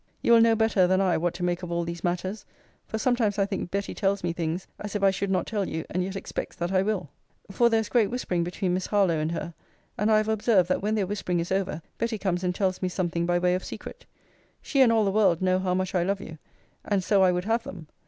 You will know better than I what to make of all these matters; for sometimes I think Betty tells me things as if I should not tell you, and yet expects that I will.* For there is great whispering between Miss Harlowe and her; and I have observed that when their whispering is over, Betty comes and tells me something by way of secret. She and all the world know how much I love you: and so I would have them.